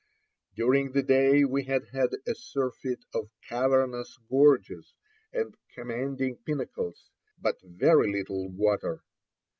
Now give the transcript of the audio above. During the day we had had a surfeit of cavernous gorges and commanding pinnacles, but very little water.